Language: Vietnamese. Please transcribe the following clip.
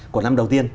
của năm đầu tiên